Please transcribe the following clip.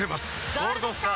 「ゴールドスター」！